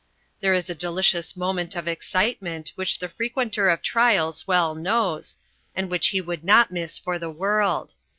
There is a delicious moment of excitement which the frequenter of trials well knows, and which he would not miss for the world.